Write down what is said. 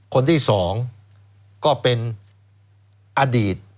คนที่๒ก็เป็นอดีต